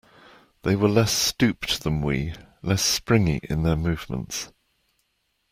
They were less stooped than we, less springy in their movements.